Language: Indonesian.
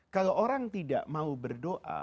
kalau orang tidak mau berdoa